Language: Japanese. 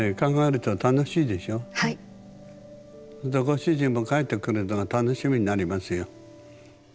ご主人も帰ってくるのが楽しみになりますよ。